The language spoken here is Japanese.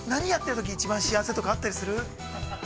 何やってるとき、一番幸せとか、あったりする？